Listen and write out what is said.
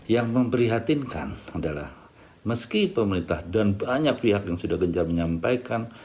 yang memperhatinkan adalah meski pemerintah dan banyak pihak yang sudah benar benar menyampaikan